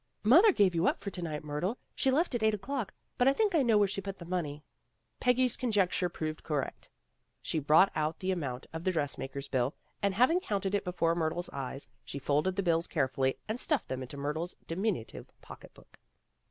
"Mother gave you up for to night, Myrtle. She left at eight o'clock, but I think I know where she put the money." Peggy's conjecture proved correct. She brought out the amount of the dressmaker's bill, and having counted it before Myrtle 's eyes, she folded the bills carefully and stuffed them into Myrtle's diminutive pocket book.